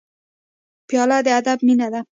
پیاله د ادب مینه ده.